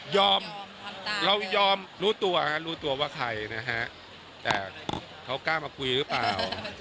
เรายอมรู้ตัวฮะรู้ตัวว่าใครนะฮะแต่เขากล้ามาคุยหรือเปล่า